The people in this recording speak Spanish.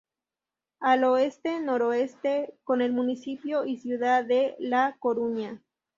Al oeste-noroeste con el municipio y ciudad de La Coruña.